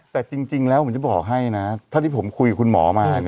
แต่จริงแล้วผมจะบอกให้นะเท่าที่ผมคุยกับคุณหมอมา